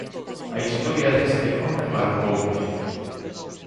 A historia deste home marcoume.